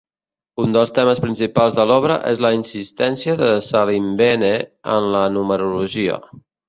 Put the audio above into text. Un dels temes principals de l'obra és la insistència de Salimbene en la numerologia.